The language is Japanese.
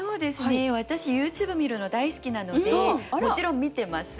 私ＹｏｕＴｕｂｅ見るの大好きなのでもちろん見てます。